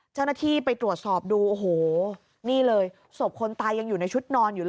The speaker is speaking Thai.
เจ้าหน้าที่ไปตรวจสอบดูโอ้โหนี่เลยศพคนตายยังอยู่ในชุดนอนอยู่เลย